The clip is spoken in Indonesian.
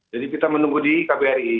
jadi kita menunggu di kbri